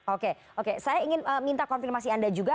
oke oke saya ingin minta konfirmasi anda juga